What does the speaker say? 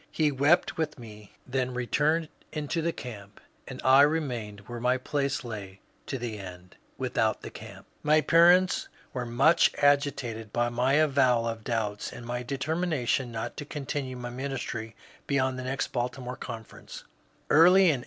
He wept with me, then returned into the camp ; and I remained where my place lay to the end —^^ without the camp." My parents were much agitated by my avowal of doubts and my determination not to continue my ministry beyond the next Baltimore Conference — early in 1853.